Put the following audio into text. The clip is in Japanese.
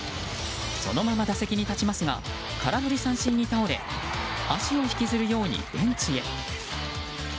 そのまま打席に立ちますが空振り三振に倒れ足を引きずるようにベンチへ。